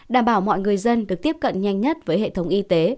đảm bảo mọi người dân được tiếp cận nhanh nhất với hệ thống y tế